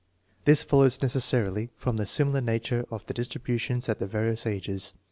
This fol lows necessarily from the similar nature of the distributions at the various ages.